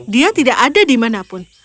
dia tidak ada dimanapun